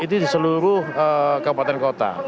itu di seluruh kabupaten kota